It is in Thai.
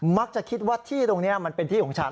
มักจะคิดว่าที่ตรงนี้มันเป็นที่ของฉัน